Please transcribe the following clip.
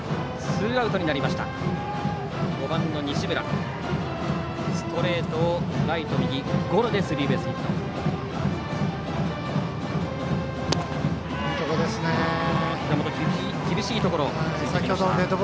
ストレートをライト右ゴロでスリーベースヒット。